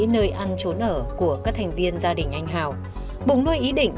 nơi ăn trốn ở của các thành viên gia đình anh hào bùng nuôi ý định